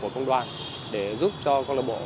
công đoàn để giúp cho câu lạc bộ